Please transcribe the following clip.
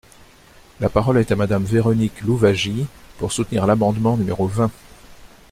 La parole est à Madame Véronique Louwagie, pour soutenir l’amendement numéro vingt.